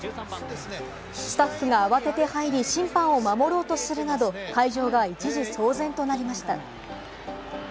スタッフが慌てて入り、審判を守ろうとするなど、会場が一時、騒然となりました。